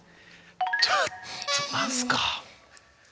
ちょっと何すか？